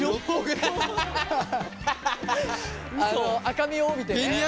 赤みを帯びてね。